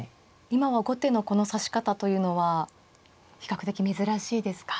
今は後手のこの指し方というのは比較的珍しいですか。